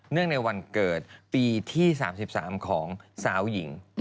ในวันเกิดปีที่๓๓ของสาวหญิง